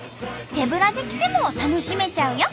手ぶらで来ても楽しめちゃうよ！